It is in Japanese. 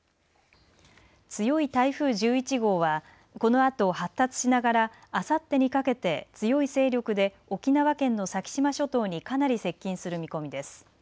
強い台風１１号はこのあと発達しながらあさってにかけて強い勢力で沖縄県の先島諸島にかなり接近する見込みです。